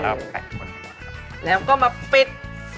เอ้อแล้วก็มาปิด